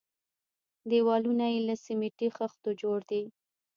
دېوالونه يې له سميټي خښتو جوړ دي.